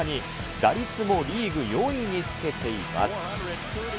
打率もリーグ４位につけています。